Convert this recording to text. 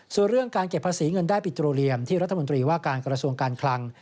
ส่วนเรื่องการเก็บภาษีเงินได้ปิโตเรียมที่รัฐมนตรีว่าการกระทรวงการคลัง